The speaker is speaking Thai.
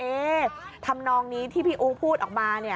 เอ๊ะทำนองนี้ที่พี่อู๋พูดออกมา